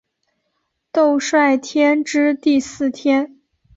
兜率天之第四天。